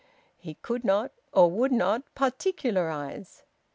He could not or would not particularise.